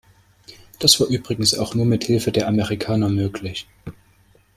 Das war übrigens auch nur mit Hilfe der Amerikaner möglich.